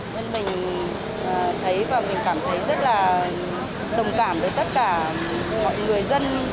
nên mình thấy và mình cảm thấy rất là đồng cảm với tất cả mọi người dân